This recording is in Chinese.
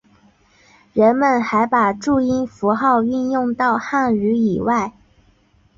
人们还把注音符号运用到汉语以外。